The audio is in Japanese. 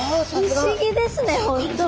不思議ですね本当。